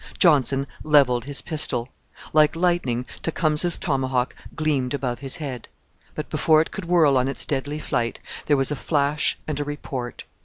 Johnson levelled his pistol. Like lightning Tecumseh's tomahawk gleamed above his head. But before it could whirl on its deadly flight, there was a flash and a report.